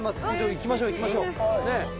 行きましょう、行きましょう。